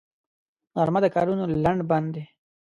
غرمه د کارونو لنډ بند دی